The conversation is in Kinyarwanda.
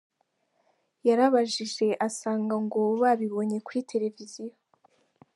Yarababajije asanga ngo babibonye kuri televiziyo.